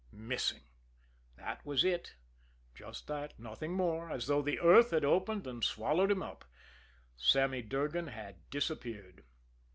Missing that was it. Just that, nothing more as though the earth had opened and swallowed him up, Sammy Durgan had disappeared.